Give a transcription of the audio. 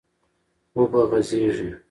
و به غځېږي،